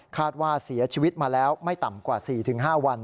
ว่าเสียชีวิตมาแล้วไม่ต่ำกว่า๔๕วัน